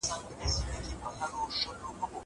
زه اجازه لرم چي ليکنې وکړم.